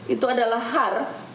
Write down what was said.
itu adalah har